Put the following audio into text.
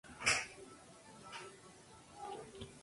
ellos no hubieron partido